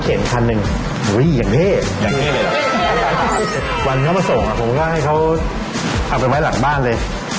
ชิ้นที่แต่